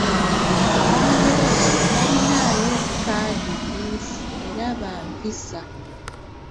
Abangereza tebalinaayo kkaadi mmyufu era bampisa.